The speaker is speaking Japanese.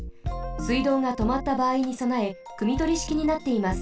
すいどうがとまったばあいにそなえくみとりしきになっています。